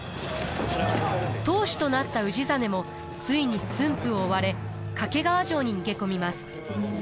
当主となった氏真もついに駿府を追われ掛川城に逃げ込みます。